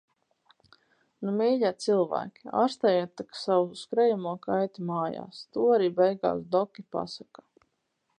Nu mīļie cilvēki, ārstējiet tak savu skrejamo kaiti mājas, to ar beigās doki pasaka.